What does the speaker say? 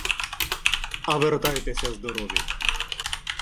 — А вертайтеся здорові!